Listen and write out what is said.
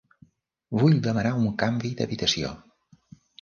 Vull demanar un canvi d'habitació.